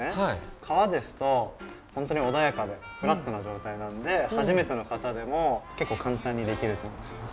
川ですと本当に穏やかでフラットな状態なので初めての方でも結構簡単にできると思います。